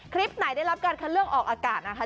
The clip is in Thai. คลิปไหนได้รับการคัดเลือกออกอากาศนะคะ